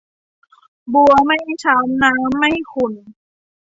บัวไม่ช้ำ น้ำไม่ขุ่น